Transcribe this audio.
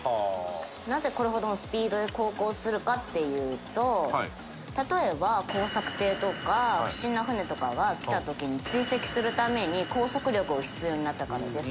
なぜこれほどのスピードで航行するかっていうと例えば工作艇とか不審な船とかが来た時に追跡するために高速力が必要になったからです。